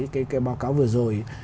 cái báo cáo vừa rồi